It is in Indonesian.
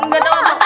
enggak tau apa apa